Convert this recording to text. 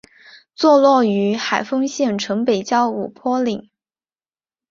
坐落于海丰县城北郊五坡岭。